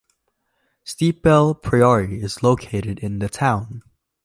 Stiepel Priory is located in the town.